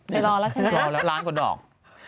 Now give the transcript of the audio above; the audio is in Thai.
ไปรอแล้วใช่ไหมครับร้านกว่าดอกสรุป